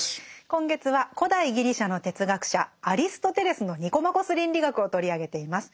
今月は古代ギリシャの哲学者アリストテレスの「ニコマコス倫理学」を取り上げています。